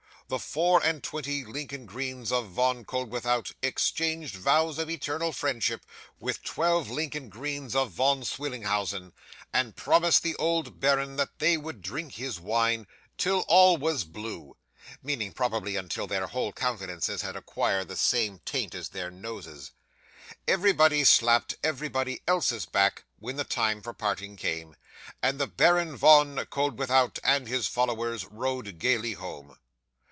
The four and twenty Lincoln greens of Von Koeldwethout exchanged vows of eternal friendship with twelve Lincoln greens of Von Swillenhausen, and promised the old baron that they would drink his wine "Till all was blue" meaning probably until their whole countenances had acquired the same tint as their noses. Everybody slapped everybody else's back, when the time for parting came; and the Baron Von Koeldwethout and his followers rode gaily home.